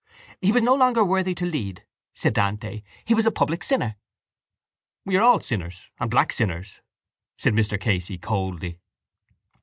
—He was no longer worthy to lead, said Dante. He was a public sinner. —We are all sinners and black sinners, said Mr Casey coldly.